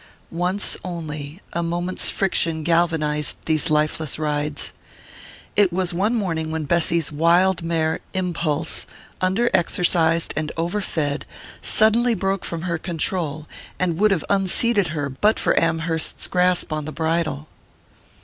Once only, a moment's friction galvanized these lifeless rides. It was one morning when Bessy's wild mare Impulse, under exercised and over fed, suddenly broke from her control, and would have unseated her but for Amherst's grasp on the bridle.